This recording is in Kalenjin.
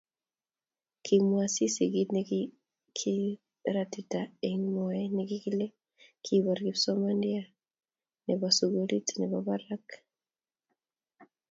kimwa Asisi kiit nekikiratita eng mwae nekikile kibar kipsomaninde nebo sukulitnyin nebo barak